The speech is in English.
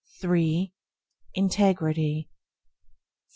Integrity 4.